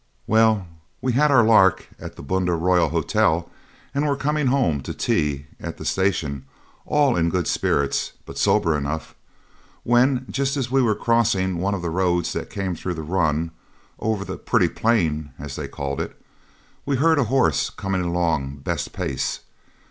Well, we'd had our lark at the Bundah Royal Hotel, and were coming home to tea at the station, all in good spirits, but sober enough, when, just as we were crossing one of the roads that came through the run over the 'Pretty Plain', as they called it we heard a horse coming along best pace.